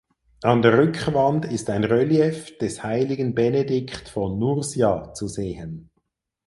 An der Rückwand ist ein Relief des heiligen Benedikt von Nursia zu sehen.